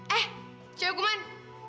eh ciaw guman